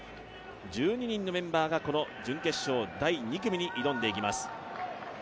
１２人のメンバーが準決勝第２組に挑んでいきます。